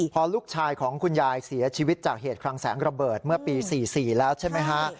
พอลูกชายของคุณยายเสียชีวิตจากเหตุคลังแสงระเบิดเมื่อปี๔๔แล้วใช่ไหมฮะ